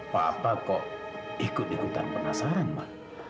papa kok ikut ikutan penasaran pak